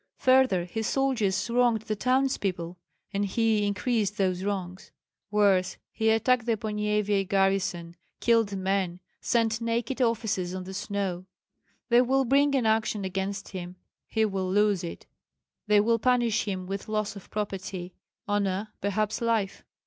Further, his soldiers wronged the townspeople, and he increased those wrongs. Worse, he attacked the Ponyevyej garrison, killed men, sent naked officers on the snow. They will bring an action against him; he will lose it. They will punish him with loss of property, honor, perhaps life.